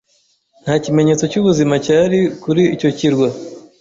Nta kimenyetso cy'ubuzima cyari kuri icyo kirwa